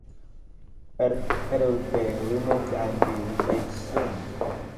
It will be removed and be replaced soon.